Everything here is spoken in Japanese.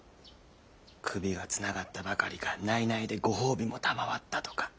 首がつながったばかりか内々でご褒美も賜ったとか。